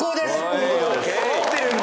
合ってるんだ。